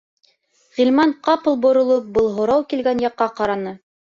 Ғилман, ҡапыл боролоп, был һорау килгән яҡҡа ҡараны.